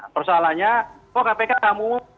persoalannya kok kpk kamu